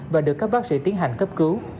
và được các bác sĩ tiến hành cấp cứu